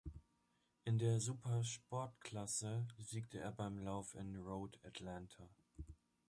In der Supersport-Klasse siegte er beim Lauf in Road Atlanta.